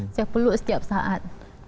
saya peluk setiap saat